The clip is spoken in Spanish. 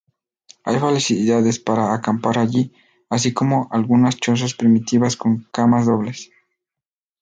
Hay facilidades para acampar allí, así como algunas chozas primitivas con camas dobles.